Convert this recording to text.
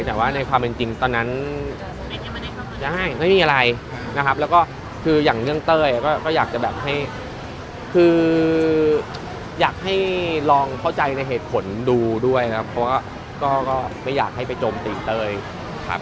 แต่ว่าในความเป็นจริงตอนนั้นไม่มีอะไรนะครับแล้วก็คืออย่างเรื่องเต้ยก็อยากจะแบบให้คืออยากให้ลองเข้าใจในเหตุผลดูด้วยนะครับเพราะว่าก็ไม่อยากให้ไปโจมตีเต้ยครับ